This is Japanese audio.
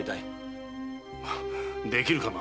できるかな？